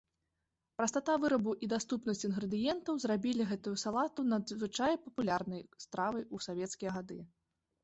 Прастата вырабу і даступнасць інгрэдыентаў зрабілі гэтую салату надзвычай папулярнай стравай у савецкія гады.